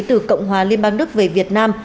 từ cộng hòa liên bang đức về việt nam